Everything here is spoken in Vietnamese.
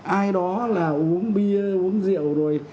ai đó là uống bia uống rượu rồi